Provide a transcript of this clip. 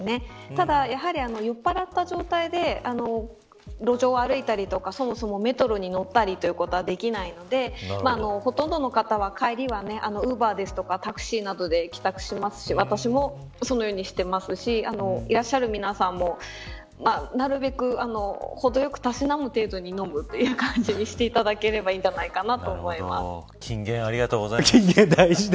ただ、やはり酔っぱらった状態で路上を歩いたりとかそもそもメトロに乗ったりということはできないのでほとんどの方は帰りはウーバーですとかタクシーなどで帰宅しますし私もそのようにしてますしいらっしゃる皆さんもなるべく、ほどよくたしなむ程度に飲むという感じにしていただければ金言ありがとうございます。